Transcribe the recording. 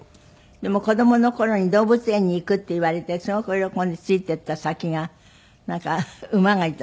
でも子供の頃に動物園に行くって言われてすごく喜んでついていった先がなんか馬がいた。